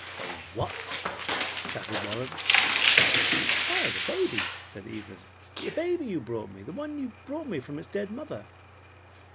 "The WHAT!" shouted Warren. "Why, the baby," said Evelyn. "The baby you brought me; the one you brought me from its dead mother."